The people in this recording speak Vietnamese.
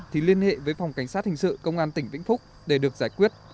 thì liên hệ với phòng cảnh sát hình sự công an tỉnh vĩnh phúc để được giải quyết